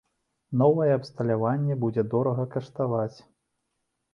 Новае абсталяванне будзе дорага каштаваць.